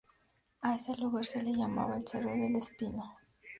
A ese lugar se le llamaba el "Cerro del Espino".